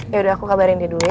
yaudah aku kabarin dia dulu